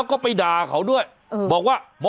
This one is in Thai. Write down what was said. คุณผู้ชมไปดูอีกหนึ่งเรื่องนะคะครับ